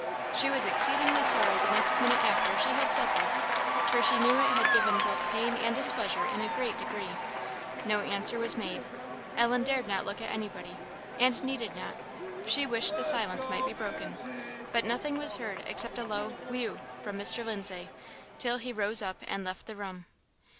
She was exceedingly sorry the next minute after she had said this, for she knew it had given both pain and displeasure in a great degree. No answer was made. Ellen dared not look at anybody, and needed not; she wished the silence might be broken; but nothing was heard except a low "whew!" from Mr. Lindsay, till he rose up and left the room.